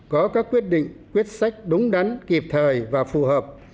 có các quyết định quyết sách đúng đắn kịp thời và phù hợp